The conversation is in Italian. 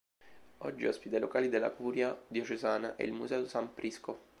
Oggi ospita i locali della Curia diocesana e il Museo "San Prisco".